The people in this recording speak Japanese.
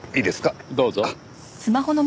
どうぞ。